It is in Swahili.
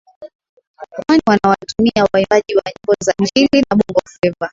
kwani wanawatumia waimbaji wa nyimbo za injili na bongo fleva